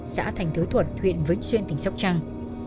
xã thành thới thuật huyện vĩnh xuyên tỉnh sóc trăng